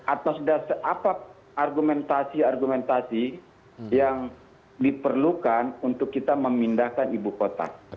atas dasar apa argumentasi argumentasi yang diperlukan untuk kita memindahkan ibu kota